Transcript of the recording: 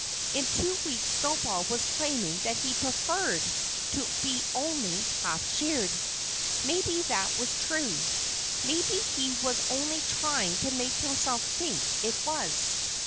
In two weeks Snowball was claiming that he preferred to be only half sheared. Maybe that was true. Maybe he was only trying to make himself think it was.